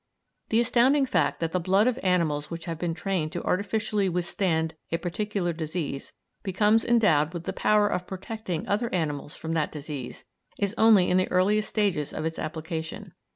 The astounding fact that the blood of animals which have been trained to artificially withstand a particular disease becomes endowed with the power of protecting other animals from that disease is only in the earliest stages of its application.